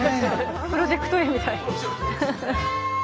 「プロジェクトＡ」みたい。